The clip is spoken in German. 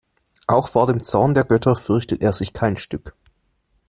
Auch vor dem Zorn der Götter fürchtet er sich kein Stück.